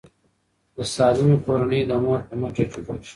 د سالمې کورنۍ د مور په مټه جوړیږي.